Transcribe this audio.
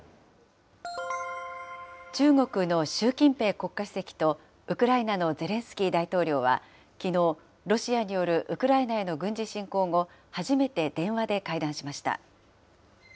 中国の習近平国家主席と、ウクライナのゼレンスキー大統領はきのう、ロシアによるウクライナへの軍事侵攻後、初めて電話で会談しました。